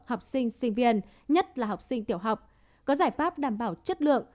học sinh sinh viên nhất là học sinh tiểu học có giải pháp đảm bảo chất lượng